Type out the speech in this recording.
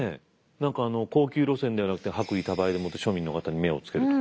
何か高級路線ではなくて薄利多売でもって庶民の方に目をつけるとか。